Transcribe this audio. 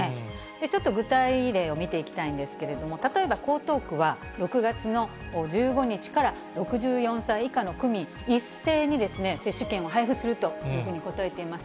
ちょっと具体例を見ていきたいんですけれども、例えば、江東区は６月の１５日から６４歳以下の区民、一斉に接種券を配布するというふうに答えています。